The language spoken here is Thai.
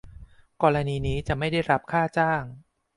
กรณีนี้จะไม่ได้รับค่าจ้าง